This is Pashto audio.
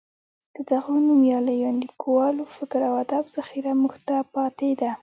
د دغو نومیالیو لیکوالو فکر او ادب ذخیره موږ ته پاتې ده.